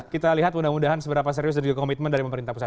kita lihat mudah mudahan seberapa serius dan juga komitmen dari pemerintah pusat